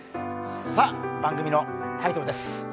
番組のタイトルです。